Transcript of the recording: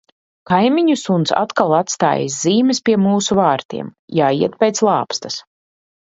Kaimiņu suns atkal atstājis zīmes pie mūsu vārtiem - jāiet pēc lāpstas.